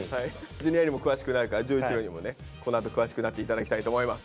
Ｊｒ．にも詳しくなるから丈一郎にもねこのあと詳しくなって頂きたいと思います。